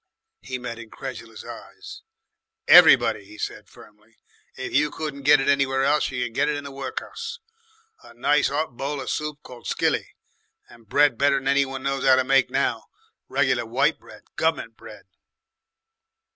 He met incredulous eyes. "Everybody," he said firmly. "If you couldn't get it anywhere else, you could get it in the workhuss, a nice 'ot bowl of soup called skilly, and bread better'n any one knows 'ow to make now, reg'lar white bread, gov'ment bread."